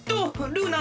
ルーナ